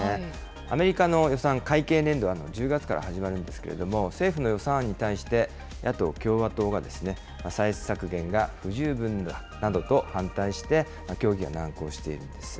アメリカの予算会計年度は１０月から始まるんですけれども、政府の予算案に対して、野党・共和党が歳出削減が不十分だなどと反対して、協議が難航しているんです。